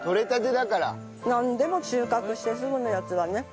なんでも収穫してすぐのやつはね